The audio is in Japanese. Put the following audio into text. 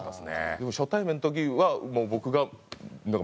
でも初対面の時はもう僕が。